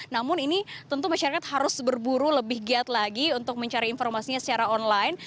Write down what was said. namun ini tentu masyarakat harus berburu lebih giat lagi untuk mencari informasinya secara online